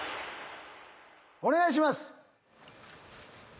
お願いします。